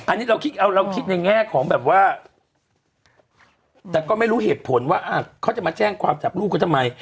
อันนี้เราคิดเอาเราคิดในแง่ของแบบว่าแต่ก็ไม่รู้เหตุผลว่าเขาจะมาแจ้งความจับลูกเขาทำไม